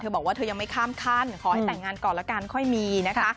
บอกว่าเธอยังไม่ข้ามขั้นขอให้แต่งงานก่อนละกันค่อยมีนะคะ